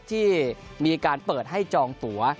ที่มีการเปิดให้จองตัว